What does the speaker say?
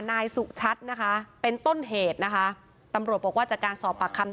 นายสุชัดนะคะเป็นต้นเหตุนะคะตำรวจบอกว่าจากการสอบปากคำ